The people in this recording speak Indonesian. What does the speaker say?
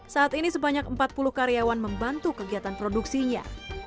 saat ini sebanyak empat puluh karyawan membantu kegiatan produksinya